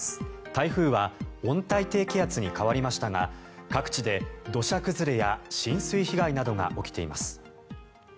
台風は温帯低気圧に変わりましたが各地で土砂崩れや浸水被害などが起きています。